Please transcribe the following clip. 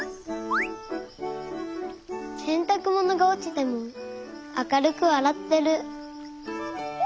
せんたくものがおちてもあかるくわらってる。